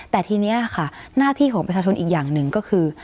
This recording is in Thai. แต่ทีนี้ค่ะหน้าที่ของประชาชนอีกอย่างหนึ่งก็คือ